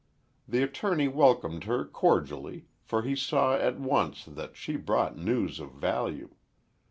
The attorney welcomed her cordially for he saw at once that she brought news of value.